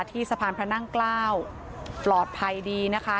ที่สะพานพระนั่งเกล้าปลอดภัยดีนะคะ